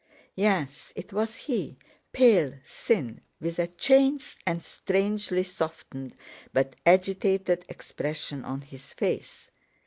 Yes, it was he, pale, thin, with a changed and strangely softened but agitated expression on his face.